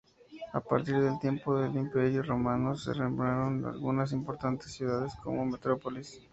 A partir del tiempo del Imperio romano se renombraron algunas importantes ciudades como metrópolis.